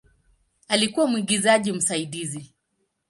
Alikuwa mwigizaji msaidizi.